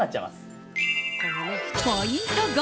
ポイント